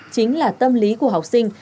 chính là tâm lý của học sinh